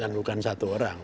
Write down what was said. dan bukan satu orang